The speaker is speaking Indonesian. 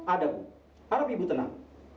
ada bu harap ibu tenang